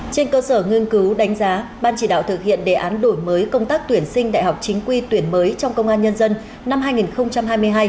trên cơ sở nghiên cứu đánh giá ban chỉ đạo thực hiện đề án đổi mới công tác tuyển sinh đại học chính quy tuyển mới trong công an nhân dân năm hai nghìn hai mươi hai